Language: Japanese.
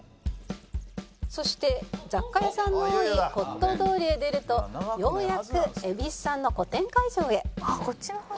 そして雑貨屋さんの多い骨董通りへ出るとようやく蛭子さんの個展会場へ